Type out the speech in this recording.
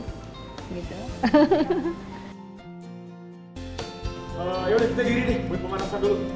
yaudah kita giri deh buat pemanasan dulu